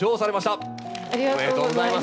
ありがとうございます。